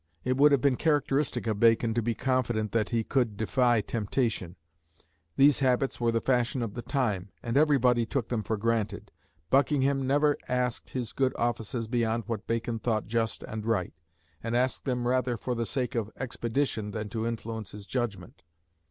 It would have been characteristic of Bacon to be confident that he could defy temptation: these habits were the fashion of the time, and everybody took them for granted; Buckingham never asked his good offices beyond what Bacon thought just and right, and asked them rather for the sake of expedition than to influence his judgment.